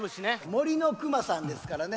「森のくまさん」ですからね。